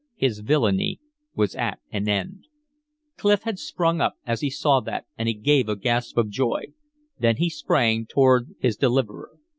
His villainy was at an end. Clif had sprung up as he saw that, and he gave a gasp of joy. Then he sprang toward his deliverer.